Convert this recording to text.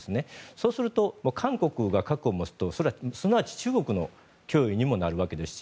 そうすると韓国が核を持つとそれはすなわち中国の脅威にもなるわけですね。